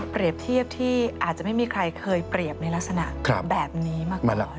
เทียบที่อาจจะไม่มีใครเคยเปรียบในลักษณะแบบนี้มาก